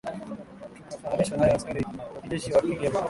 afu tukafahamisha haya askari wa kijeshi wa kigeni